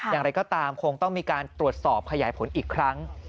อย่างไรก็ตามคงต้องมีการตรวจสอบขยายผลอีกครั้ง